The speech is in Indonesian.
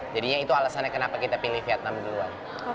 jadinya itu alasannya kenapa kita pilih vietnam duluan